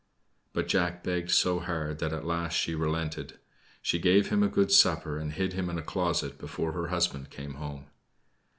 But Jack begged so hard that at last she relented. She gave him a good supper and hid him in a closet before her husband came home.